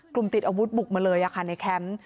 ติดอาวุธบุกมาเลยในแคมป์